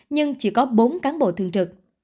nhưng chỉ có bốn cán bộ thường trực